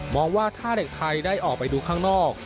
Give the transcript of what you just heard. ว่าถ้าเด็กไทยได้ออกไปดูข้างนอก